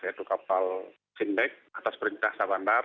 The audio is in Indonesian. yaitu kapal sinback atas perintah sabandar